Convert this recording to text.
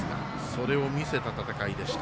それを見せた戦いでした。